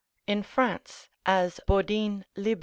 In France, as Bodine lib.